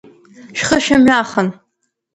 Шәхы шәымҩахан!